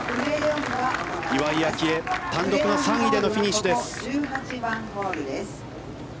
岩井明愛、単独の３位でのフィニッシュです。